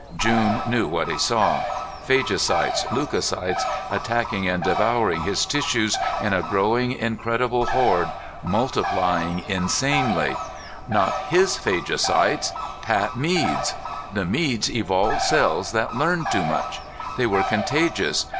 June knew what he saw. Phagocytes, leucocytes, attacking and devouring his tissues in a growing incredible horde, multiplying insanely. Not his phagocytes! Pat Mead's! The Meads' evolved cells had learned too much. They were contagious.